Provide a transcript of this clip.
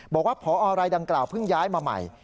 บอกว่าพอรายดังกล่าวเพิ่งย้ายมาใหม่